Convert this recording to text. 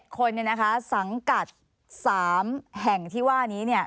คนเนี่ยนะคะสังกัด๓แห่งที่ว่านี้เนี่ย